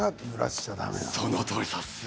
そのとおりです！